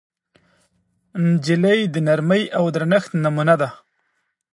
نجلۍ د نرمۍ او درنښت نمونه ده.